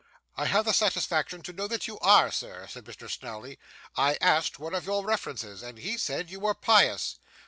'I have the satisfaction to know you are, sir,' said Mr. Snawley. 'I asked one of your references, and he said you were pious.